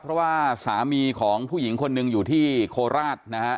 เพราะว่าสามีของผู้หญิงคนหนึ่งอยู่ที่โคราชนะฮะ